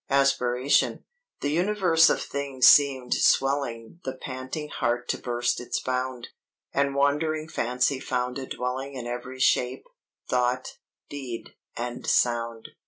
ASPIRATION "The Universe of things seem'd swelling The panting heart to burst its bound, And wandering Fancy found a dwelling In every shape thought, deed, and sound.